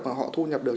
mà họ thu nhập được